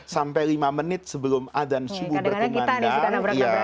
sampai lima menit sebelum adan subuh bertemandang